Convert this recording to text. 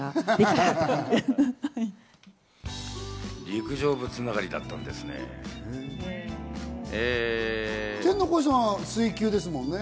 陸上部つながりだったんですね。